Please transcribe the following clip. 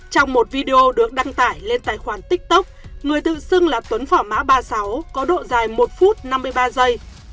trong một video được đăng tải lên tài khoản tiktok người tự xưng là tuấn phỏ mã ba mươi sáu có độ dài một phút năm mươi ba giây